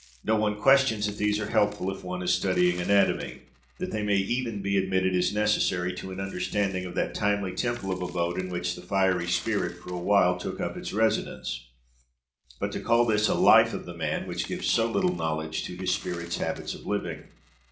No one questions that these are helpful if one is studying anatomy; that they may even be admitted as necessary to an understanding of that timely temple of abode in which the fiery spirit for a while took up its residence; but to call this a 'life' of the man, which gives so little knowledge of his spirit's habits of living!